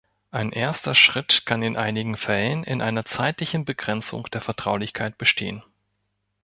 Ein erster Schritt kann in einigen Fällen in einer zeitlichen Begrenzung der Vertraulichkeit bestehen.